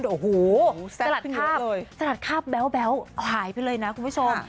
โอ้โหสลัดคาบแบ๊วหายไปเลยนะคุณผู้ชม